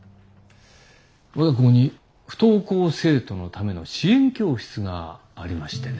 我が校に不登校生徒のための支援教室がありましてね。